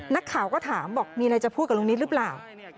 นักข่าวก็ถามบอกมีอะไรจะพูดกับลุงนิดหรือเปล่า